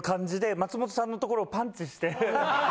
松本さんのところパンチして。